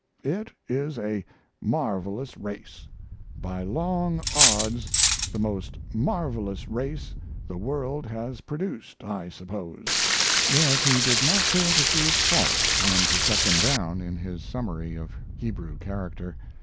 It is a marvelous race; by long odds the most marvelous race the world has produced, I suppose. Yet he did not fail to see its faults and to set them down in his summary of Hebrew character.